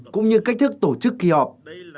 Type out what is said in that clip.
cũng như cách thức tổ chức kỳ họp